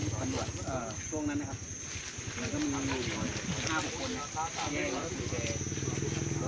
เธอทำยังไงต่อพร้อมแล้วเนี่ย